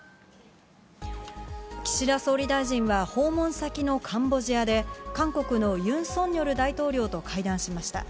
岸田総理大臣は、訪問先のカンボジアで、韓国のユン・ソンニョル大統領と会談しました。